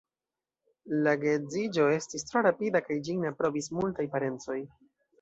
La geedziĝo estis tro rapida kaj ĝin ne aprobis multaj parencoj.